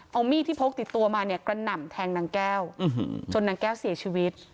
เอามีดที่พกติดตัวมาเนี่ยกระหน่ำแทงนางแก้วจนนางแก้วเสียชีวิต